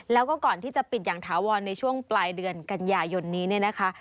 แล้วก็ก่อนที่จะปิดอย่างถาวรในช่วงปลายเดือนกันยายนนี้เนี่ยนะคะ